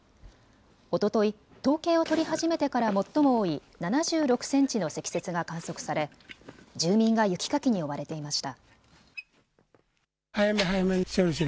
おととい、統計を取り始めてから最も多い７６センチの積雪が観測され住民が雪かきに追われていました。